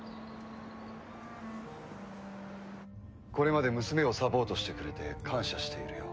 これまで娘をサポートしてくれて感謝しているよ。